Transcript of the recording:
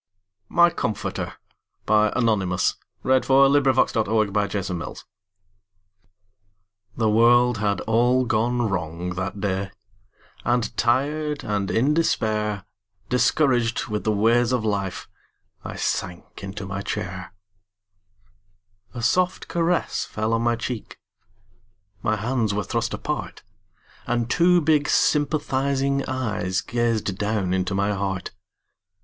MY COMFORTER The world had all gone wrong that day And tired and in despair, Discouraged with the ways of life, I sank into my chair. A soft caress fell on my cheek, My hands were thrust apart. And two big sympathizing eyes Gazed down into my heart.